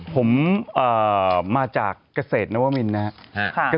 ผมมาจากเกษตรนวมินนะครับ